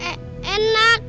berarti adam lagi lapar